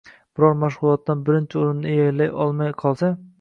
biror mashg‘ulotdan birinchi o‘rinni egallay olmay qolsa